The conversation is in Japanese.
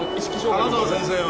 ・金沢先生は？